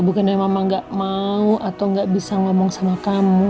bukannya mama gak mau atau nggak bisa ngomong sama kamu